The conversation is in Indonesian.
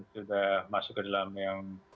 sudah masuk ke dalam yang